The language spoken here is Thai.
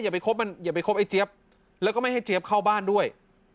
ไปคบมันอย่าไปคบไอ้เจี๊ยบแล้วก็ไม่ให้เจี๊ยบเข้าบ้านด้วย